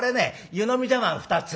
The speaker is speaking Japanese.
湯飲み茶わん２つ」。